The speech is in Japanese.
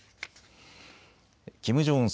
キム・ジョンウン